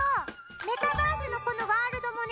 メタバースのこのワールドもね